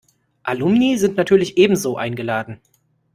Alumni sind natürlich ebenso eingeladen.